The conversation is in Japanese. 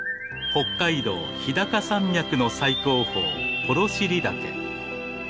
北海道日高山脈の最高峰幌尻岳。